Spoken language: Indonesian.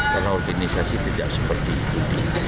karena organisasi tidak seperti itu